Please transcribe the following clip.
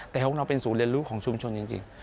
แต่ของเราเป็นศูนย์เรียนรู้ของชุมชนจริง